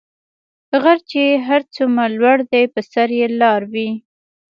غر چی هر څومره لوړ دي په سر یي لار وي .